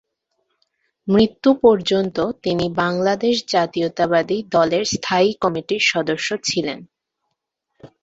মৃত্যু পর্যন্ত তিনি বাংলাদেশ জাতীয়তাবাদী দলের স্থায়ী কমিটির সদস্য ছিলেন।